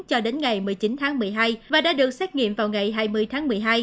cho đến ngày một mươi chín tháng một mươi hai và đã được xét nghiệm vào ngày hai mươi tháng một mươi hai